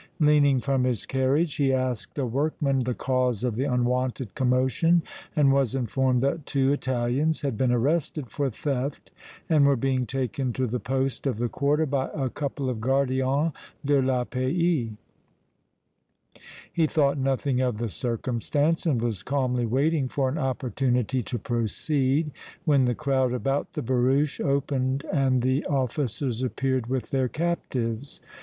Leaning from his carriage, he asked a workman the cause of the unwonted commotion and was informed that two Italians had been arrested for theft and were being taken to the poste of the quarter by a couple of gardiens de la paix. He thought nothing of the circumstance and was calmly waiting for an opportunity to proceed when the crowd about the barouche opened and the officers appeared with their captives.